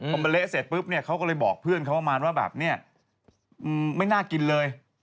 พอมันเละเสร็จปุ๊บเขาก็เลยบอกเพื่อนเขามาว่าไม่น่ากินเลย